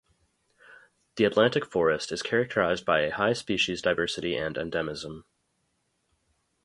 The Atlantic Forest is characterized by a high species diversity and endemism.